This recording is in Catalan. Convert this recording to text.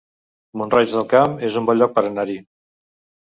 Mont-roig del Camp es un bon lloc per anar-hi